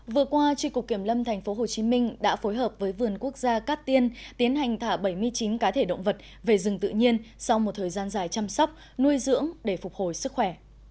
vừa qua tri cục kiểm lâm tp hcm đã phối hợp với vườn quốc gia cát tiên tiến hành thả bảy mươi chín cá thể động vật về rừng tự nhiên sau một thời gian dài chăm sóc nuôi dưỡng để phục hồi sức khỏe